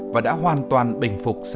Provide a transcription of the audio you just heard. và đã hoàn toàn được trùng ngừa bệnh giải